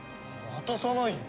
渡さないよ。